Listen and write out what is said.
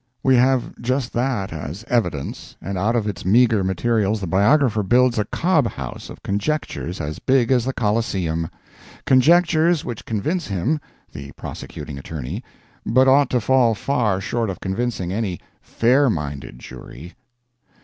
We have just that as "evidence," and out of its meagre materials the biographer builds a cobhouse of conjectures as big as the Coliseum; conjectures which convince him, the prosecuting attorney, but ought to fall far short of convincing any fair minded jury.